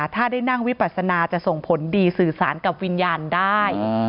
ถ้าได้นั่งวิปัสนาจะส่งผลดีสื่อสารกับวิญญาณได้